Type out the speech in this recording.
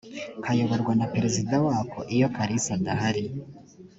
kayoborwa na perezida wako iyo kalisa adahari.